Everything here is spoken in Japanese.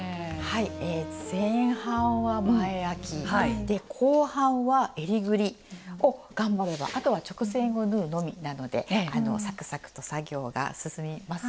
前半は前あき後半はえりぐりを頑張ればあとは直線を縫うのみなのでサクサクと作業が進みますよ。